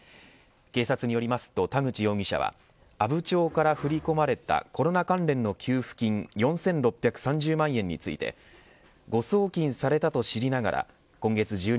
警察によりますと田口容疑者は阿武町から振り込まれたコロナ関連の給付金４６３０万円について誤送金されたと知りながら今月１２日